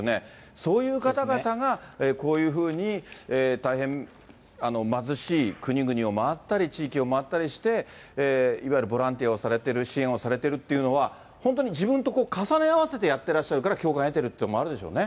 そういう方々がこういうふうに大変貧しい国々を回ったり、地域を回ったりして、いわゆるボランティアをされてる、支援をされてるというのは、本当に自分と重ね合わせてやってらっしゃるから、共感を得てるというのもあるでしょうね。